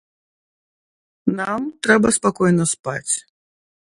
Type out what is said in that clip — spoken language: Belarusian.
Нам трэба спакойна спаць.